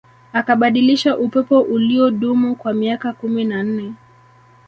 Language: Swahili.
Akabadilisha upepo uliodumu kwa miaka kumi na nne